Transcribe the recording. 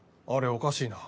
おかしいな。